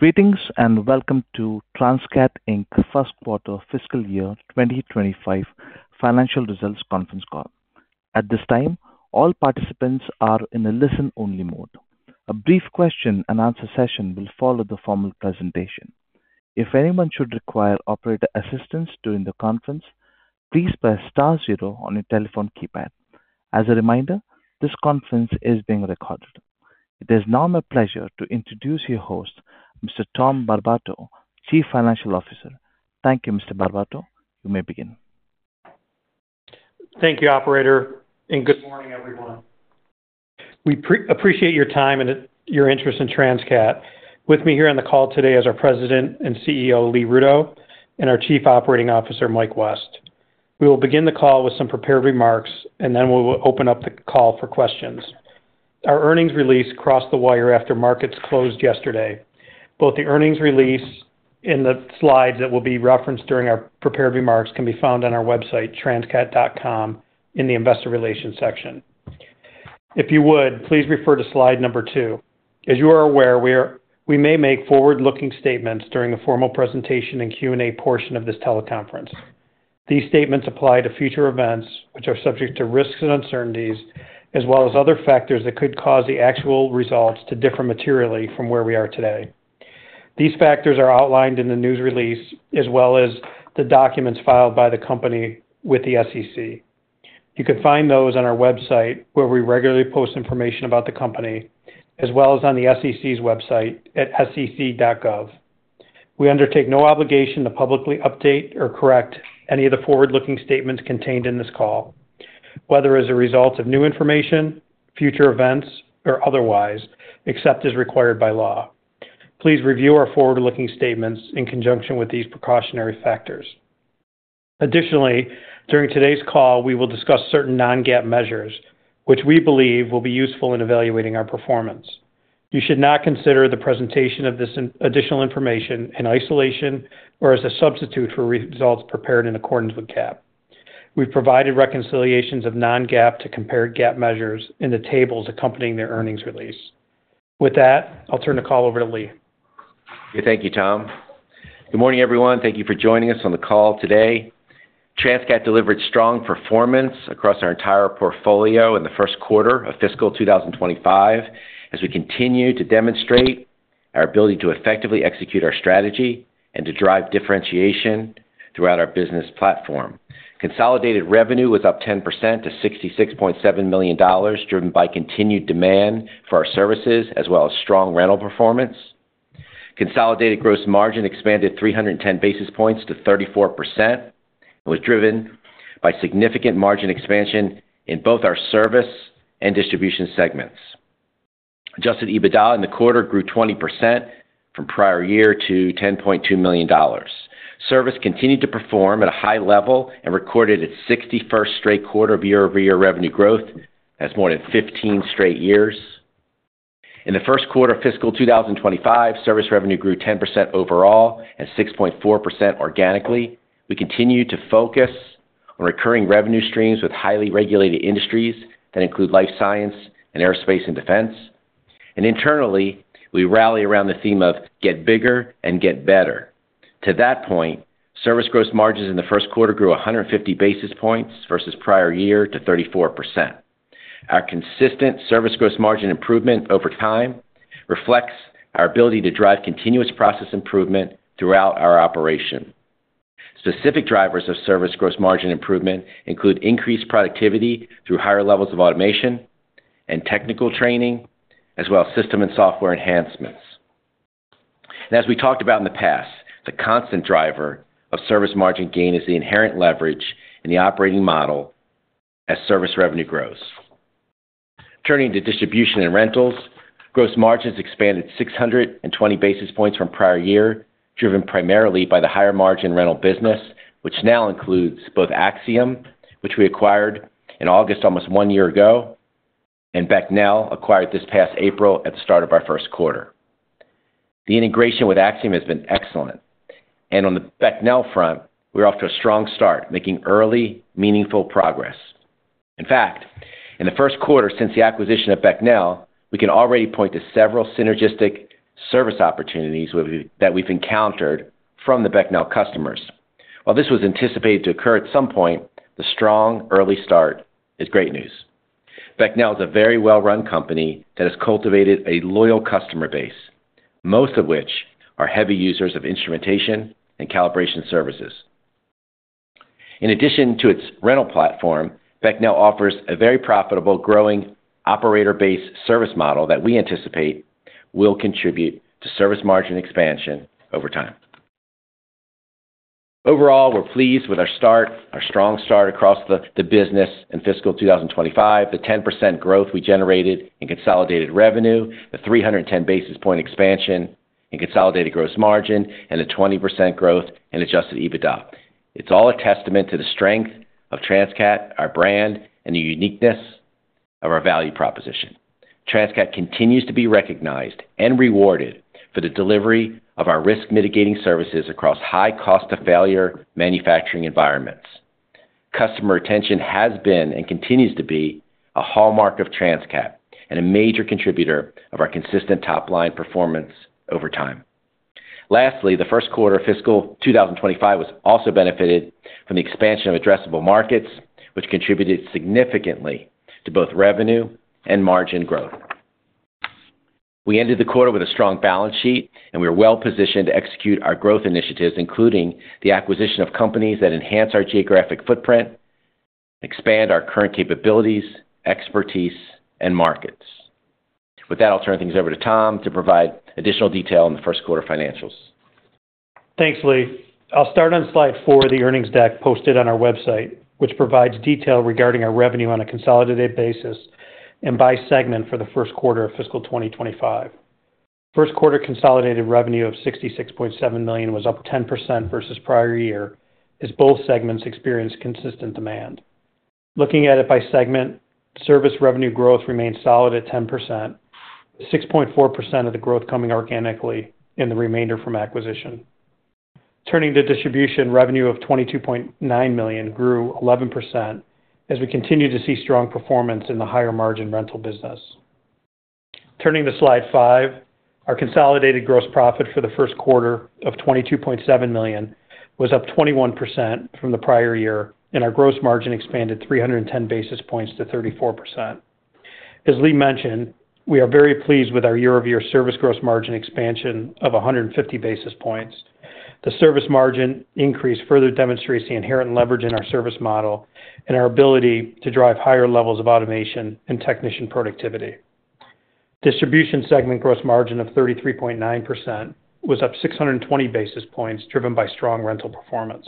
.Greetings, and welcome to Transcat, Inc., First Quarter Fiscal Year 2025 Financial Results Conference Call. At this time, all participants are in a listen-only mode. A brief question-and-answer session will follow the formal presentation. If anyone should require operator assistance during the conference, please press star zero on your telephone keypad. As a reminder, this conference is being recorded. It is now my pleasure to introduce your host, Mr. Tom Barbato, Chief Financial Officer. Thank you, Mr. Barbato. You may begin. Thank you, operator, and good morning, everyone. We appreciate your time and your interest in Transcat. With me here on the call today is our President and CEO, Lee Rudow, and our Chief Operating Officer, Mike West. We will begin the call with some prepared remarks, and then we will open up the call for questions. Our earnings release crossed the wire after markets closed yesterday. Both the earnings release and the slides that will be referenced during our prepared remarks can be found on our website, transcat.com, in the Investor Relations section. If you would, please refer to slide number two. As you are aware, we may make forward-looking statements during the formal presentation and Q&A portion of this teleconference. These statements apply to future events, which are subject to risks and uncertainties, as well as other factors that could cause the actual results to differ materially from where we are today. These factors are outlined in the news release, as well as the documents filed by the company with the SEC. You can find those on our website, where we regularly post information about the company, as well as on the SEC's website at sec.gov. We undertake no obligation to publicly update or correct any of the forward-looking statements contained in this call, whether as a result of new information, future events, or otherwise, except as required by law. Please review our forward-looking statements in conjunction with these precautionary factors. Additionally, during today's call, we will discuss certain Non-GAAP measures, which we believe will be useful in evaluating our performance. You should not consider the presentation of this additional information in isolation or as a substitute for results prepared in accordance with GAAP. We've provided reconciliations of non-GAAP to comparable GAAP measures in the tables accompanying their earnings release. With that, I'll turn the call over to Lee. Thank you, Tom. Good morning, everyone. Thank you for joining us on the call today. Transcat delivered strong performance across our entire portfolio in the first quarter of fiscal 2025, as we continue to demonstrate our ability to effectively execute our strategy and to drive differentiation throughout our business platform. Consolidated revenue was up 10% to $66.7 million, driven by continued demand for our services, as well as strong rental performance. Consolidated gross margin expanded 310 basis points to 34% and was driven by significant margin expansion in both our service and distribution segments. Adjusted EBITDA in the quarter grew 20% from prior year to $10.2 million. Service continued to perform at a high level and recorded its 61st straight quarter of year-over-year revenue growth. That's more than 15 straight years. In the first quarter of fiscal 2025, service revenue grew 10% overall and 6.4% organically. We continued to focus on recurring revenue streams with highly regulated industries that include life science and aerospace and defense. Internally, we rally around the theme of get bigger and get better. To that point, service gross margins in the first quarter grew 150 basis points versus prior year to 34%. Our consistent service gross margin improvement over time reflects our ability to drive continuous process improvement throughout our operation. Specific drivers of service gross margin improvement include increased productivity through higher levels of automation and technical training, as well as system and software enhancements. As we talked about in the past, the constant driver of service margin gain is the inherent leverage in the operating model as service revenue grows. Turning to distribution and rentals, gross margins expanded 620 basis points from prior year, driven primarily by the higher-margin rental business, which now includes both Axiom, which we acquired in August, almost one year ago, and Becnel, acquired this past April at the start of our first quarter. The integration with Axiom has been excellent, and on the Becnel front, we're off to a strong start, making early, meaningful progress. In fact, in the first quarter since the acquisition of Becnel, we can already point to several synergistic service opportunities that we've encountered from the Becnel customers. While this was anticipated to occur at some point, the strong early start is great news. Becnel is a very well-run company that has cultivated a loyal customer base, most of which are heavy users of instrumentation and calibration services. In addition to its rental platform, Becnel offers a very profitable, growing operator-based service model that we anticipate will contribute to service margin expansion over time. Overall, we're pleased with our start, our strong start across the business in fiscal 2025, the 10% growth we generated in consolidated revenue, the 310 basis point expansion in consolidated gross margin, and the 20% growth in adjusted EBITDA. It's all a testament to the strength of Transcat, our brand, and the uniqueness of our value proposition. Transcat continues to be recognized and rewarded for the delivery of our risk-mitigating services across high cost of failure manufacturing environments. Customer retention has been and continues to be a hallmark of Transcat, and a major contributor of our consistent top-line performance over time. Lastly, the first quarter of fiscal 2025 was also benefited from the expansion of addressable markets, which contributed significantly to both revenue and margin growth. We ended the quarter with a strong balance sheet, and we are well-positioned to execute our growth initiatives, including the acquisition of companies that enhance our geographic footprint, expand our current capabilities, expertise, and markets. With that, I'll turn things over to Tom to provide additional detail on the first quarter financials. Thanks, Lee. I'll start on slide 4 of the earnings deck posted on our website, which provides detail regarding our revenue on a consolidated basis and by segment for the first quarter of fiscal 2025. First quarter consolidated revenue of $66.7 million was up 10% versus prior year, as both segments experienced consistent demand. Looking at it by segment, service revenue growth remained solid at 10%, 6.4% of the growth coming organically, and the remainder from acquisition. Turning to distribution, revenue of $22.9 million grew 11%, as we continue to see strong performance in the higher-margin rental business. Turning to slide 5, our consolidated gross profit for the first quarter of $22.7 million was up 21% from the prior year, and our gross margin expanded 310 basis points to 34%. As Lee mentioned, we are very pleased with our year-over-year service gross margin expansion of 150 basis points. The service margin increase further demonstrates the inherent leverage in our service model and our ability to drive higher levels of automation and technician productivity. Distribution segment gross margin of 33.9% was up 620 basis points, driven by strong rental performance.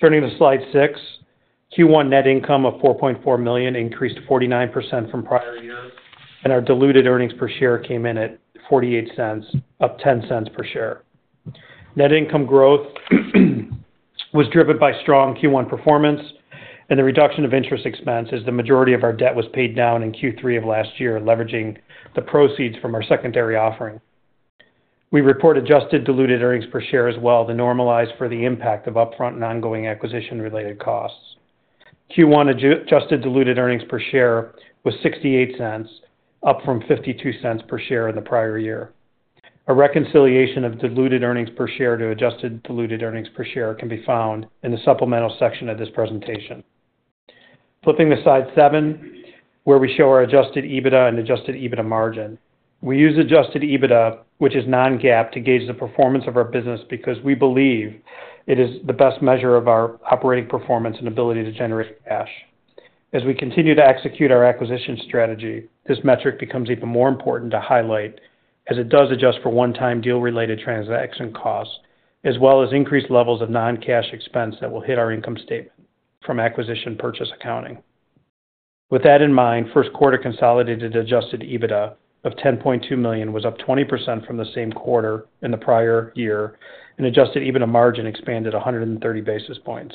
Turning to slide 6, Q1 net income of $4.4 million increased 49% from prior years, and our diluted earnings per share came in at $0.48, up $0.10 per share. Net income growth was driven by strong Q1 performance and the reduction of interest expense, as the majority of our debt was paid down in Q3 of last year, leveraging the proceeds from our secondary offering. We report adjusted diluted earnings per share as well to normalize for the impact of upfront and ongoing acquisition-related costs. Q1 adjusted diluted earnings per share was $0.68, up from $0.52 per share in the prior year. A reconciliation of diluted earnings per share to adjusted diluted earnings per share can be found in the supplemental section of this presentation. Flipping to slide 7, where we show our adjusted EBITDA and adjusted EBITDA margin. We use adjusted EBITDA, which is non-GAAP, to gauge the performance of our business because we believe it is the best measure of our operating performance and ability to generate cash. As we continue to execute our acquisition strategy, this metric becomes even more important to highlight, as it does adjust for one-time deal-related transaction costs, as well as increased levels of non-cash expense that will hit our income statement from acquisition purchase accounting. With that in mind, first quarter consolidated Adjusted EBITDA of $10.2 million was up 20% from the same quarter in the prior year, and Adjusted EBITDA margin expanded 130 basis points.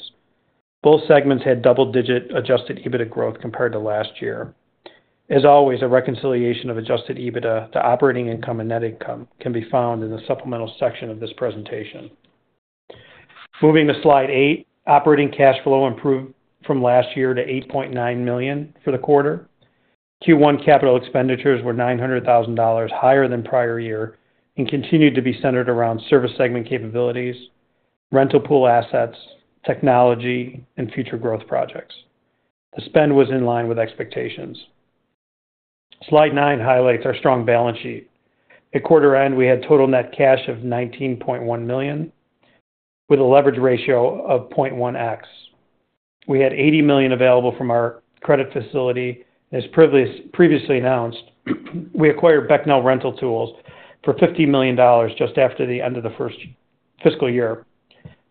Both segments had double-digit Adjusted EBITDA growth compared to last year. As always, a reconciliation of Adjusted EBITDA to operating income and net income can be found in the supplemental section of this presentation. Moving to slide 8. Operating cash flow improved from last year to $8.9 million for the quarter. Q1 capital expenditures were $900,000 higher than prior year and continued to be centered around service segment capabilities, rental pool assets, technology, and future growth projects. The spend was in line with expectations. Slide 9 highlights our strong balance sheet. At quarter end, we had total net cash of $19.1 million, with a leverage ratio of 0.1x. We had $80 million available from our credit facility. As previously announced, we acquired Becnel Rental Tools for $50 million just after the end of the first fiscal year,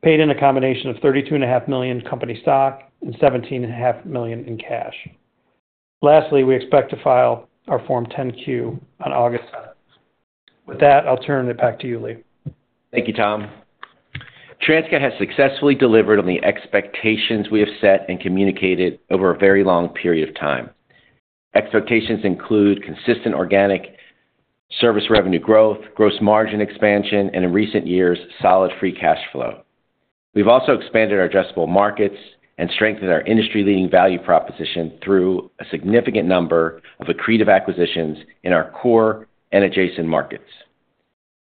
paid in a combination of $32.5 million company stock and $17.5 million in cash. Lastly, we expect to file our Form 10-Q on August seventh. With that, I'll turn it back to you, Lee. Thank you, Tom. Transcat has successfully delivered on the expectations we have set and communicated over a very long period of time. Expectations include consistent organic service revenue growth, gross margin expansion, and in recent years, solid free cash flow. We've also expanded our addressable markets and strengthened our industry-leading value proposition through a significant number of accretive acquisitions in our core and adjacent markets.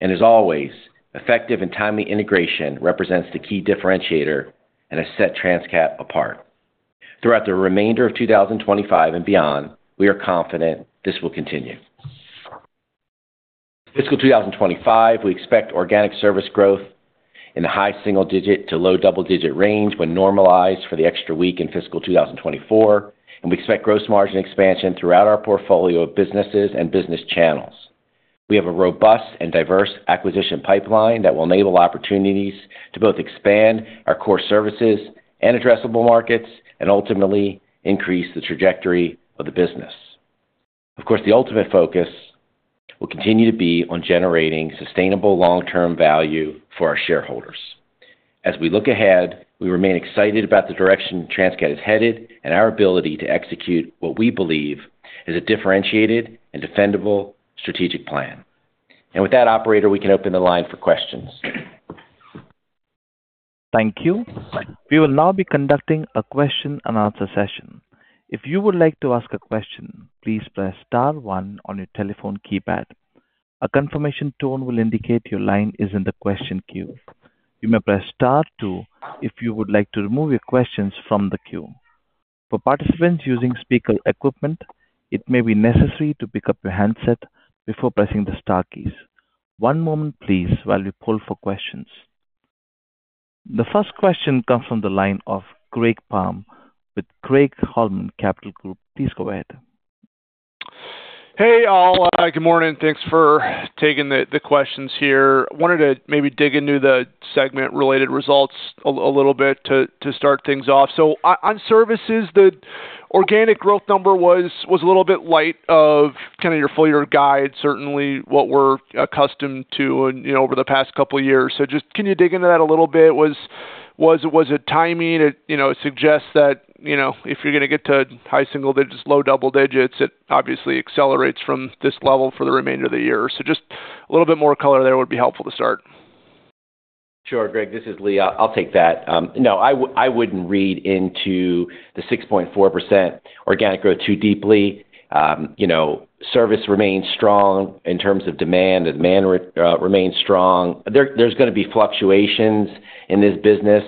And as always, effective and timely integration represents the key differentiator and has set Transcat apart. Throughout the remainder of 2025 and beyond, we are confident this will continue. Fiscal 2025, we expect organic service growth in the high single digit to low double-digit range when normalized for the extra week in fiscal 2024, and we expect gross margin expansion throughout our portfolio of businesses and business channels. We have a robust and diverse acquisition pipeline that will enable opportunities to both expand our core services and addressable markets, and ultimately increase the trajectory of the business. Of course, the ultimate focus will continue to be on generating sustainable long-term value for our shareholders. As we look ahead, we remain excited about the direction Transcat is headed and our ability to execute what we believe is a differentiated and defendable strategic plan. With that, operator, we can open the line for questions. Thank you. We will now be conducting a question and answer session. If you would like to ask a question, please press star one on your telephone keypad. A confirmation tone will indicate your line is in the question queue. You may press star two if you would like to remove your questions from the queue. For participants using speaker equipment, it may be necessary to pick up your handset before pressing the star keys. One moment please, while we pull for questions. The first question comes from the line of Greg Palm with Craig-Hallum Capital Group. Please go ahead. Hey, all. Good morning. Thanks for taking the questions here. Wanted to maybe dig into the segment-related results a little bit to start things off. So on services, the organic growth number was a little bit light of kind of your full year guide, certainly what we're accustomed to in, you know, over the past couple of years. So just can you dig into that a little bit? Was it timing? It, you know, it suggests that, you know, if you're going to get to high single digits, low double digits, it obviously accelerates from this level for the remainder of the year. So just a little bit more color there would be helpful to start. Sure, Greg, this is Lee. I'll take that. No, I wouldn't read into the 6.4% organic growth too deeply. You know, service remains strong in terms of demand, and demand remains strong. There's going to be fluctuations in this business.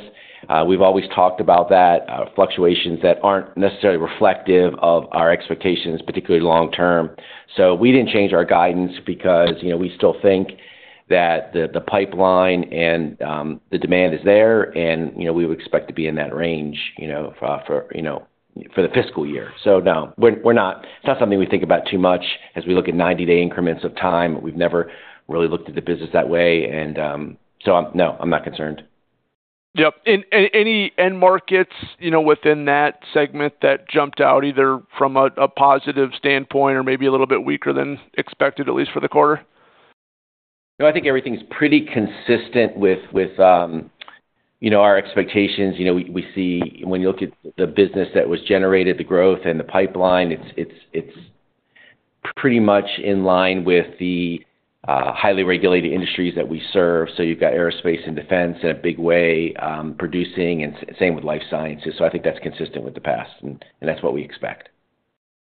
We've always talked about that, fluctuations that aren't necessarily reflective of our expectations, particularly long term. So we didn't change our guidance because, you know, we still think that the pipeline and the demand is there, and, you know, we would expect to be in that range, you know, for, you know, for the fiscal year. So no, we're not... It's not something we think about too much as we look at 90-day increments of time. We've never really looked at the business that way, and, so, no, I'm not concerned. Yep. Any end markets, you know, within that segment that jumped out, either from a positive standpoint or maybe a little bit weaker than expected, at least for the quarter? No, I think everything's pretty consistent with, with, you know, our expectations. You know, we, we see when you look at the business that was generated, the growth and the pipeline, it's, it's, it's pretty much in line with the, highly regulated industries that we serve. So you've got aerospace and defense in a big way, producing, and same with life sciences. So I think that's consistent with the past, and, and that's what we expect.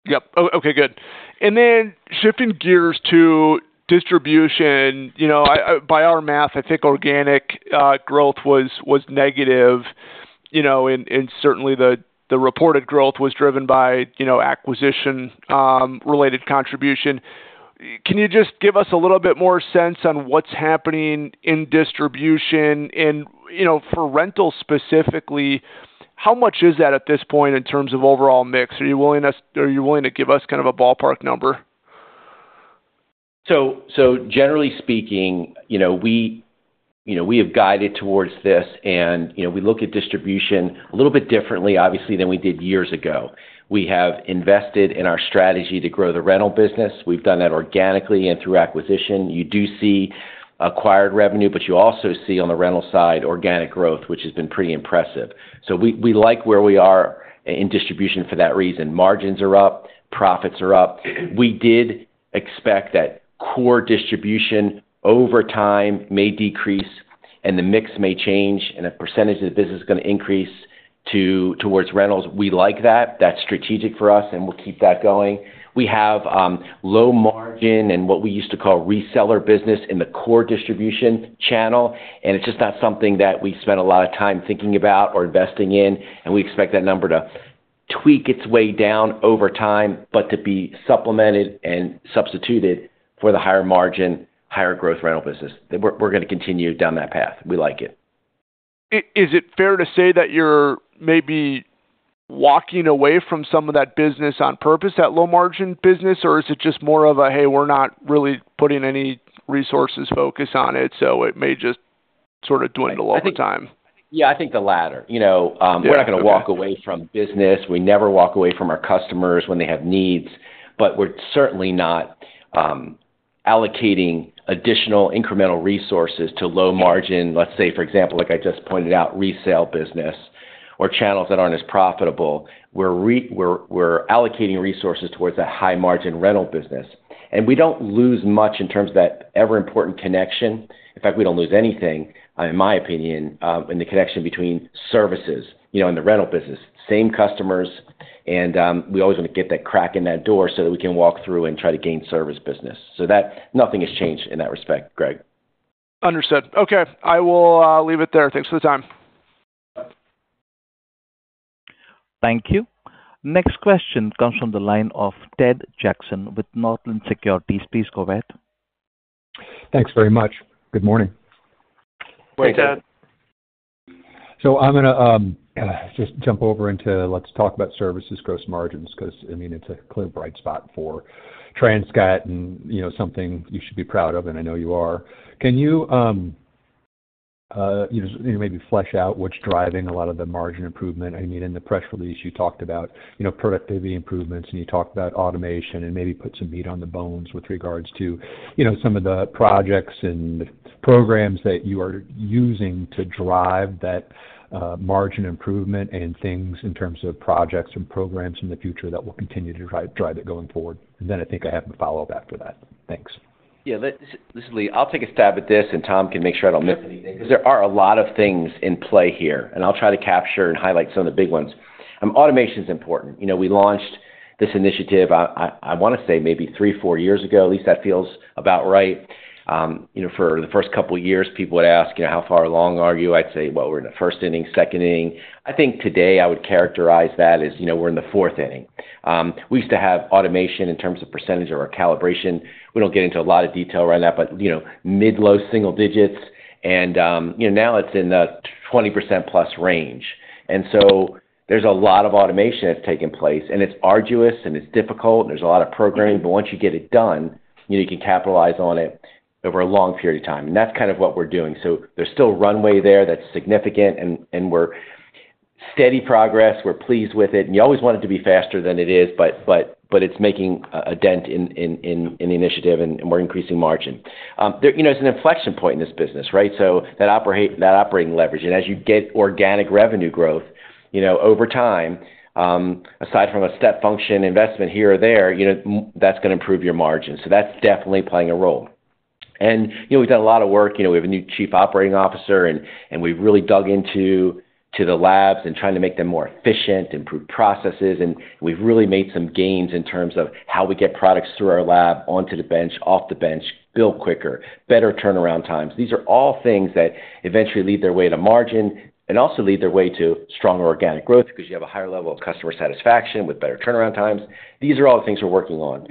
Yep. Okay, good. And then shifting gears to distribution, you know, I—by our math, I think organic growth was negative, you know, and certainly the reported growth was driven by acquisition-related contribution. Can you just give us a little bit more sense on what's happening in distribution? And, you know, for rental specifically, how much is that at this point in terms of overall mix? Are you willing to give us kind of a ballpark number? So generally speaking, you know, we have guided towards this and, you know, we look at distribution a little bit differently, obviously, than we did years ago. We have invested in our strategy to grow the rental business. We've done that organically and through acquisition. You do see acquired revenue, but you also see, on the rental side, organic growth, which has been pretty impressive. So we like where we are in distribution for that reason. Margins are up, profits are up. We did expect that core distribution over time may decrease and the mix may change, and the percentage of the business is going to increase towards rentals. We like that. That's strategic for us, and we'll keep that going. We have low margin and what we used to call reseller business in the core distribution channel, and it's just not something that we spend a lot of time thinking about or investing in, and we expect that number to tweak its way down over time, but to be supplemented and substituted for the higher margin, higher growth rental business. We're going to continue down that path. We like it. Is it fair to say that you're maybe walking away from some of that business on purpose, that low margin business, or is it just more of a, "Hey, we're not really putting any resources focus on it," so it may just sort of dwindle over time? Yeah, I think the latter. You know, Yeah. Okay. We're not going to walk away from business. We never walk away from our customers when they have needs, but we're certainly not allocating additional incremental resources to low margin. Let's say, for example, like I just pointed out, resale business or channels that aren't as profitable. We're allocating resources towards that high margin rental business, and we don't lose much in terms of that ever important connection. In fact, we don't lose anything, in my opinion, in the connection between services, you know, in the rental business. Same customers, and we always want to get that crack in that door so that we can walk through and try to gain service business. So that, nothing has changed in that respect, Greg. Understood. Okay, I will leave it there. Thanks for the time. Thank you. Next question comes from the line of Ted Jackson with Northland Securities. Please go ahead. Thanks very much. Good morning. Hey, Ted. So I'm gonna just jump over into let's talk about services gross margins, because, I mean, it's a clear bright spot for Transcat, and, you know, something you should be proud of, and I know you are. Can you, you know, maybe flesh out what's driving a lot of the margin improvement? I mean, in the press release, you talked about, you know, productivity improvements, and you talked about automation, and maybe put some meat on the bones with regards to, you know, some of the projects and programs that you are using to drive that margin improvement and things in terms of projects and programs in the future that will continue to drive, drive it going forward. And then I think I have a follow-up after that. Thanks. Yeah, this is Lee. I'll take a stab at this, and Tom can make sure I don't miss anything, because there are a lot of things in play here, and I'll try to capture and highlight some of the big ones. Automation is important. You know, we launched this initiative, I wanna say maybe 3, 4 years ago. At least that feels about right. You know, for the first couple of years, people would ask, you know, "How far along are you?" I'd say, "Well, we're in the first inning, second inning." I think today I would characterize that as, you know, we're in the fourth inning. We used to have automation in terms of percentage of our calibration. We don't get into a lot of detail around that, but you know, mid-low single digits, and you know, now it's in the 20%+ range. And so there's a lot of automation that's taking place, and it's arduous, and it's difficult, and there's a lot of programming. But once you get it done, you know, you can capitalize on it over a long period of time, and that's kind of what we're doing. So there's still runway there that's significant, and we're steady progress. We're pleased with it, and you always want it to be faster than it is, but it's making a dent in the initiative, and we're increasing margin. There you know, it's an inflection point in this business, right? So that operating leverage, and as you get organic revenue growth, you know, over time, aside from a step function investment here or there, you know, that's gonna improve your margins. So that's definitely playing a role. And, you know, we've done a lot of work. You know, we have a new Chief Operating Officer, and we've really dug into the labs and trying to make them more efficient, improve processes, and we've really made some gains in terms of how we get products through our lab, onto the bench, off the bench, build quicker, better turnaround times. These are all things that eventually lead their way to margin and also lead their way to stronger organic growth because you have a higher level of customer satisfaction with better turnaround times. These are all things we're working on,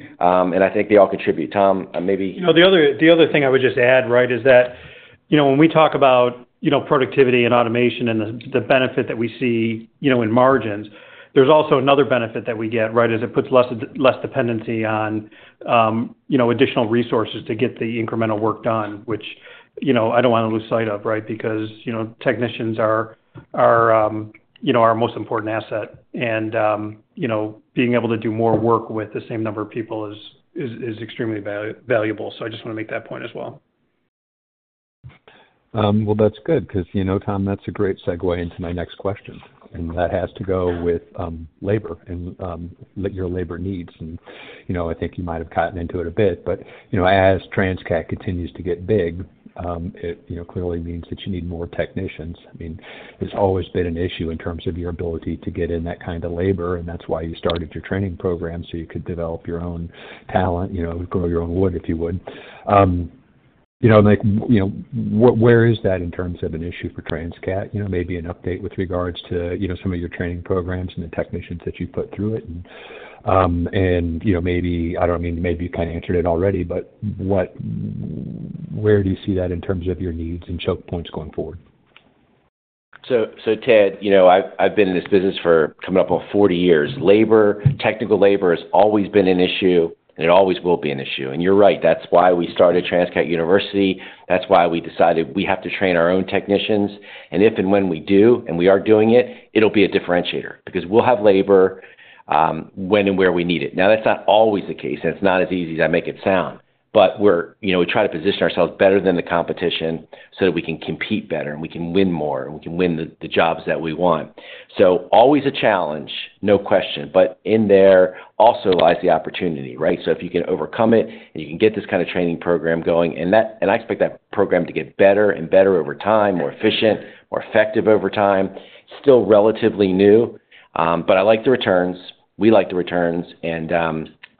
and I think they all contribute. Tom, maybe- You know, the other thing I would just add, right, is that, you know, when we talk about, you know, productivity and automation and the benefit that we see, you know, in margins, there's also another benefit that we get, right? It puts less dependency on, you know, additional resources to get the incremental work done, which, you know, I don't wanna lose sight of, right? Because, you know, technicians are, you know, our most important asset, and, you know, being able to do more work with the same number of people is extremely valuable. So I just wanna make that point as well. Well, that's good, 'cause, you know, Tom, that's a great segue into my next question, and that has to go with, labor and, what your labor needs. And, you know, I think you might have gotten into it a bit, but, you know, as Transcat continues to get big, it, you know, clearly means that you need more technicians. I mean, it's always been an issue in terms of your ability to get in that kind of labor, and that's why you started your training program, so you could develop your own talent, you know, grow your own wood, if you would. You know, like, you know, where is that in terms of an issue for Transcat? You know, maybe an update with regards to, you know, some of your training programs and the technicians that you've put through it. You know, maybe, I don't know, maybe you kind of answered it already, but what, where do you see that in terms of your needs and choke points going forward? So, Ted, you know, I've been in this business for coming up on 40 years. Labor, technical labor has always been an issue, and it always will be an issue. And you're right, that's why we started Transcat University. That's why we decided we have to train our own technicians, and if and when we do, and we are doing it, it'll be a differentiator because we'll have labor when and where we need it. Now, that's not always the case, and it's not as easy as I make it sound. But we're... You know, we try to position ourselves better than the competition so that we can compete better, and we can win more, and we can win the jobs that we want. So always a challenge, no question, but in there also lies the opportunity, right? So if you can overcome it, and you can get this kind of training program going, and that—and I expect that program to get better and better over time, more efficient, more effective over time. Still relatively new, but I like the returns. We like the returns, and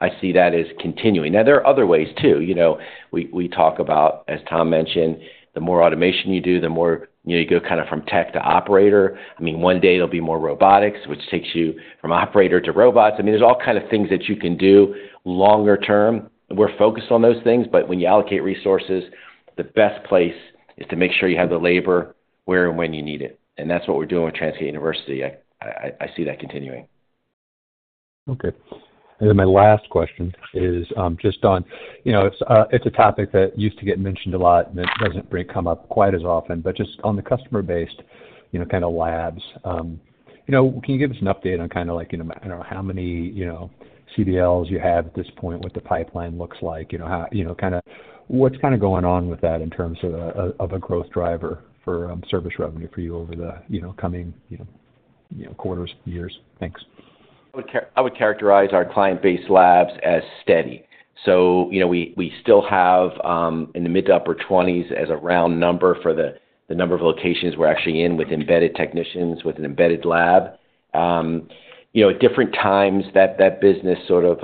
I see that as continuing. Now, there are other ways, too. You know, we talk about, as Tom mentioned, the more automation you do, the more, you know, you go kind of from tech to operator. I mean, one day it'll be more robotics, which takes you from operator to robots. I mean, there's all kind of things that you can do longer term. We're focused on those things, but when you allocate resources, the best place is to make sure you have the labor where and when you need it, and that's what we're doing with Transcat University. I see that continuing. Okay. And then my last question is, just on, you know, it's, it's a topic that used to get mentioned a lot, and it doesn't come up quite as often, but just on the customer base, you know, kind of labs, you know, can you give us an update on kind of like, you know, I don't know, how many, you know, CBLs you have at this point, what the pipeline looks like? You know, how, you know, kind of what's kind of going on with that in terms of a, of a growth driver for, service revenue for you over the, you know, coming, you know, you know, quarters, years? Thanks. I would characterize our Client-Based Labs as steady. So you know, we still have in the mid- to upper 20s as a round number for the number of locations we're actually in, with embedded technicians, with an embedded lab. You know, at different times, that business sort of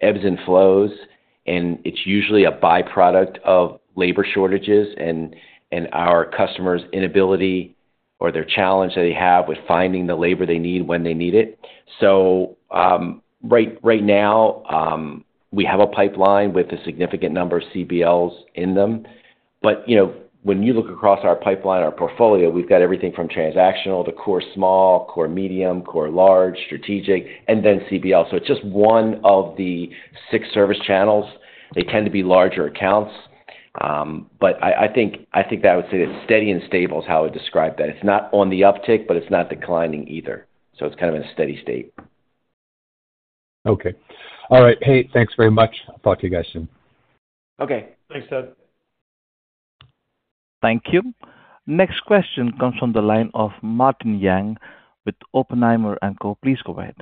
ebbs and flows, and it's usually a by-product of labor shortages and our customers' inability or their challenge that they have with finding the labor they need when they need it. So right now, we have a pipeline with a significant number of CBLs in them. But you know, when you look across our pipeline, our portfolio, we've got everything from transactional to core small, core medium, core large, strategic, and then CBL. So it's just one of the six service channels. They tend to be larger accounts. But I think that I would say it's steady and stable is how I'd describe that. It's not on the uptick, but it's not declining either, so it's kind of in a steady state. Okay. All right. Hey, thanks very much. Talk to you guys soon. Okay. Thanks, Ted. Thank you. Next question comes from the line of Martin Yang with Oppenheimer & Co. Please go ahead.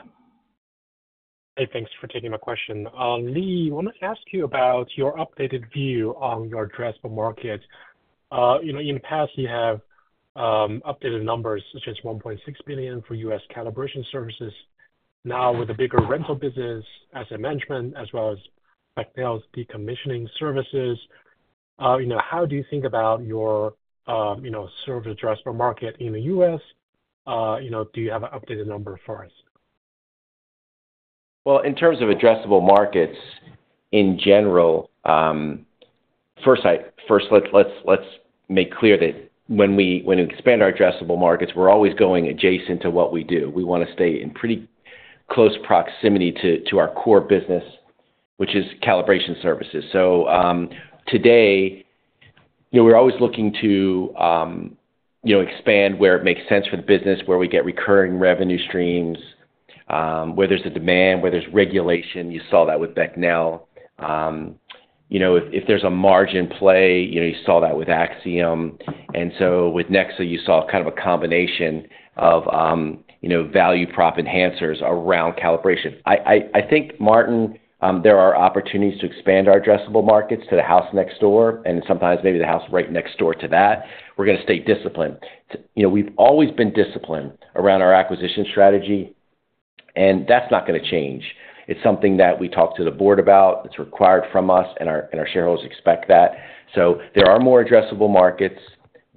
Hey, thanks for taking my question. Lee, I want to ask you about your updated view on your addressable market. You know, in the past, you have updated numbers, such as $1.6 billion for U.S. calibration services. Now, with the bigger rental business as a management, as well as Becnel's decommissioning services, you know, how do you think about your, you know, service addressable market in the U.S.? You know, do you have an updated number for us? Well, in terms of addressable markets, in general, first, let's make clear that when we expand our addressable markets, we're always going adjacent to what we do. We want to stay in pretty close proximity to our core business, which is calibration services. So, today, you know, we're always looking to, you know, expand where it makes sense for the business, where we get recurring revenue streams, where there's a demand, where there's regulation. You saw that with Becnel. You know, if there's a margin play, you know, you saw that with Axiom. And so with NEXA, you saw kind of a combination of, you know, value prop enhancers around calibration. I think, Martin, there are opportunities to expand our addressable markets to the house next door, and sometimes maybe the house right next door to that. We're gonna stay disciplined. You know, we've always been disciplined around our acquisition strategy, and that's not gonna change. It's something that we talk to the board about, it's required from us, and our shareholders expect that. So there are more addressable markets.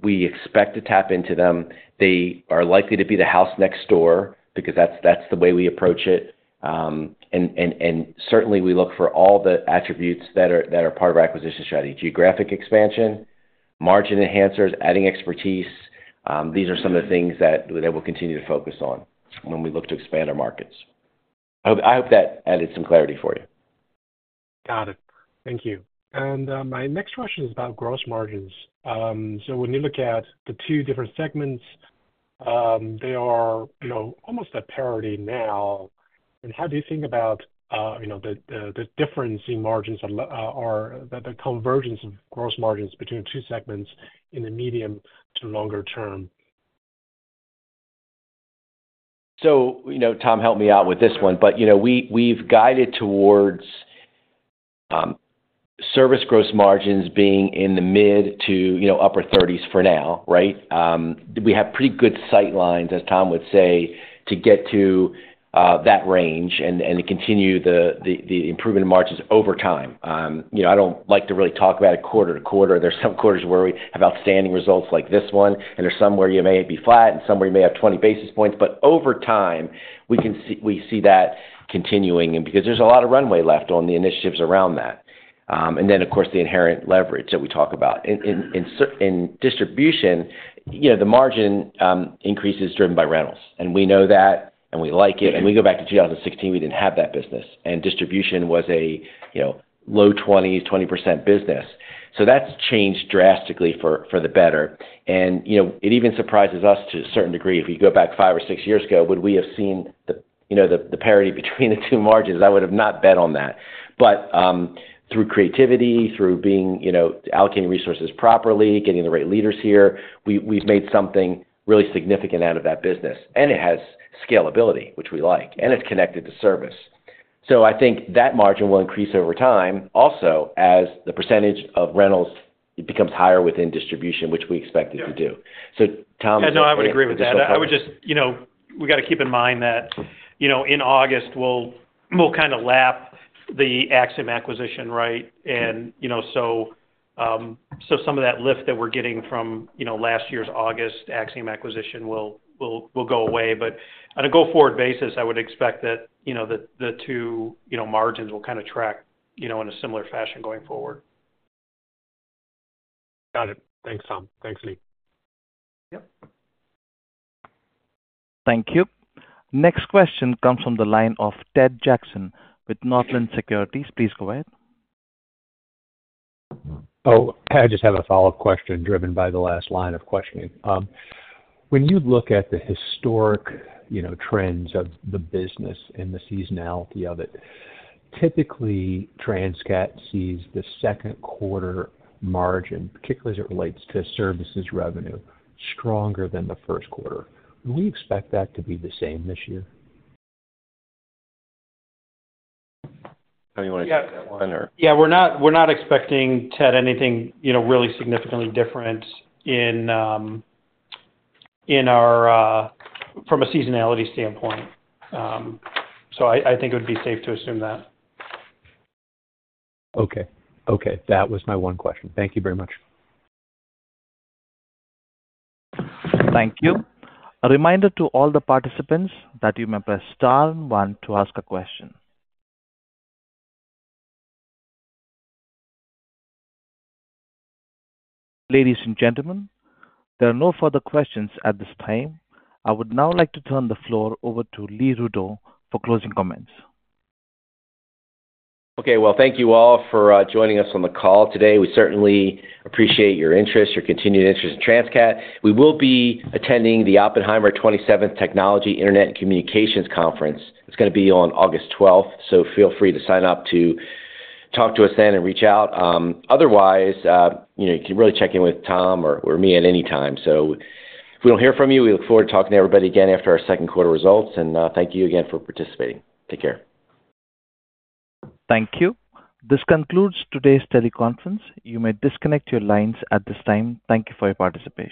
We expect to tap into them. They are likely to be the house next door because that's the way we approach it. And certainly, we look for all the attributes that are part of our acquisition strategy, geographic expansion, margin enhancers, adding expertise. These are some of the things that we'll continue to focus on when we look to expand our markets. I hope, I hope that added some clarity for you. Got it. Thank you. And my next question is about gross margins. So when you look at the two different segments, they are, you know, almost at parity now. And how do you think about, you know, the difference in margins or the convergence of gross margins between the two segments in the medium to longer term? So, you know, Tom, help me out with this one. But, you know, we've guided towards service gross margins being in the mid- to upper 30s for now, right? We have pretty good sight lines, as Tom would say, to get to that range and to continue the improvement in margins over time. You know, I don't like to really talk about it quarter to quarter. There's some quarters where we have outstanding results like this one, and there's some where you may be flat and some where you may have 20 basis points. But over time, we can see. We see that continuing and because there's a lot of runway left on the initiatives around that. And then, of course, the inherent leverage that we talk about. In distribution, you know, the margin increase is driven by rentals, and we know that, and we like it. If we go back to 2016, we didn't have that business, and distribution was a, you know, low 20s, 20% business. So that's changed drastically for the better. And, you know, it even surprises us to a certain degree. If you go back five or six years ago, would we have seen the, you know, the parity between the two margins? I would have not bet on that. But through creativity, through being, you know, allocating resources properly, getting the right leaders here, we've made something really significant out of that business, and it has scalability, which we like, and it's connected to service. So I think that margin will increase over time. Also, as the percentage of rentals, it becomes higher within distribution, which we expect it to do. So, Tom- No, I would agree with that. I would just, you know, we gotta keep in mind that, you know, in August, we'll kind of lap the Axiom acquisition, right? And, you know, so some of that lift that we're getting from, you know, last year's August Axiom acquisition will go away. But on a go-forward basis, I would expect that, you know, the two, you know, margins will kind of track, you know, in a similar fashion going forward. Got it. Thanks, Tom. Thanks, Lee. Yep. Thank you. Next question comes from the line of Ted Jackson with Northland Securities. Please go ahead. Oh, Ted, I just have a follow-up question driven by the last line of questioning. When you look at the historic, you know, trends of the business and the seasonality of it, typically, Transcat sees the second quarter margin, particularly as it relates to services revenue, stronger than the first quarter. Do we expect that to be the same this year? How do you want to take that one or? Yeah, we're not expecting, Ted, anything, you know, really significantly different in our from a seasonality standpoint. So I think it would be safe to assume that. Okay. Okay, that was my one question. Thank you very much. Thank you. A reminder to all the participants that you may press star one to ask a question. Ladies and gentlemen, there are no further questions at this time. I would now like to turn the floor over to Lee Rudow for closing comments. Okay, well, thank you all for joining us on the call today. We certainly appreciate your interest, your continued interest in Transcat. We will be attending the Oppenheimer 27th Technology, Internet, and Communications Conference. It's gonna be on August 12th, so feel free to sign up to talk to us then and reach out. Otherwise, you know, you can really check in with Tom or me at any time. So if we don't hear from you, we look forward to talking to everybody again after our second quarter results. And, thank you again for participating. Take care. Thank you. This concludes today's teleconference. You may disconnect your lines at this time. Thank you for your participation.